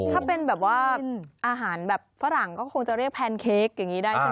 ถ้าเป็นแบบว่าอาหารแบบฝรั่งก็คงจะเรียกแพนเค้กอย่างนี้ได้ใช่ไหม